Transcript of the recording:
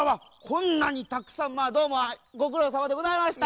こんなにたくさんどうもごくろうさまでございました。